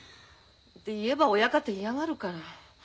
言えば親方嫌がるから。